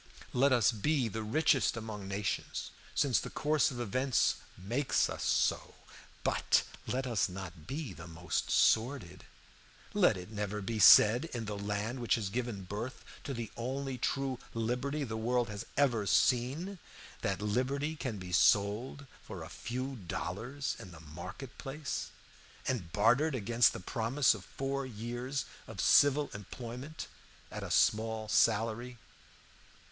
Let us be the richest among nations, since the course of events makes us so, but let us not be the most sordid. Let it never be said, in the land which has given birth to the only true liberty the world has ever seen, that liberty can be sold for a few dollars in the market place, and bartered against the promise of four years of civil employment at a small salary!